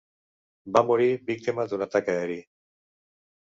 Va morir víctima d'un atac aeri.